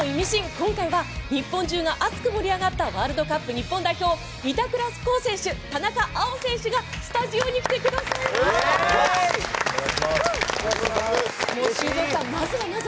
今回は日本中が熱く盛り上がったワールドカップ日本代表板倉滉選手田中碧選手がスタジオに来てくださいました。